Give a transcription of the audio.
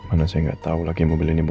untuk mengikuti mobil itu